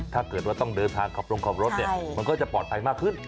ถ้าเกิดว่าต้องเดินทางขับลงขับรถเนี่ยมันก็จะปลอดภัยมากขึ้น